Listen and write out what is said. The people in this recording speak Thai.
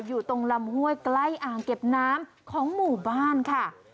อยู่ตรงลำห้วยใกล้อ่างเก็บน้ำของหมู่บ้านค่ะ